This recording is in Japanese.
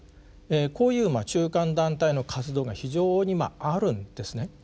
こういう中間団体の活動が非常にあるんですね。